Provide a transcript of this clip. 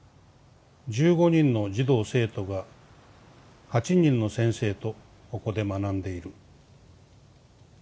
１５人の児童生徒が８人の先生とここで学んでいる」。